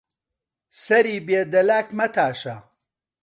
سەری بێ دەلاک مەتاشە